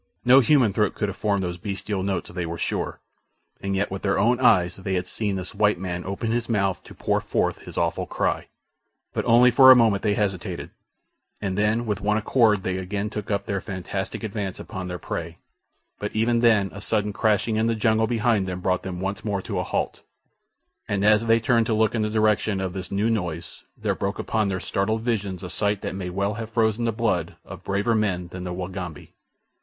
No human throat could have formed those bestial notes, they were sure, and yet with their own eyes they had seen this white man open his mouth to pour forth his awful cry. But only for a moment they hesitated, and then with one accord they again took up their fantastic advance upon their prey; but even then a sudden crashing in the jungle behind them brought them once more to a halt, and as they turned to look in the direction of this new noise there broke upon their startled visions a sight that may well have frozen the blood of braver men than the Wagambi.